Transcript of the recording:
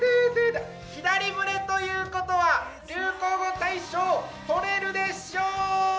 左胸ということは、流行語大賞、取れるでしょう！